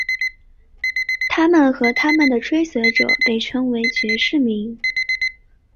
他们和他们的追随者被称为爵士迷。